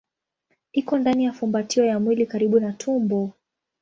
Iko ndani ya fumbatio ya mwili karibu na tumbo.